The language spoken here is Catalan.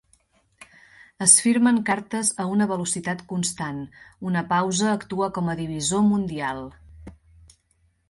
Es firmen cartes a una velocitat constant; una pausa actua com a divisor mundial.